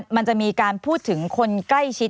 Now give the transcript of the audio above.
มันจะมีการพูดถึงคนใกล้ชิด